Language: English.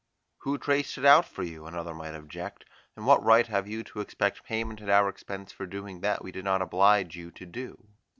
Who traced it out for you, another might object, and what right have you to expect payment at our expense for doing that we did not oblige you to do?